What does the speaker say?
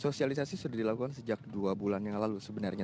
sosialisasi sudah dilakukan sejak dua bulan yang lalu sebenarnya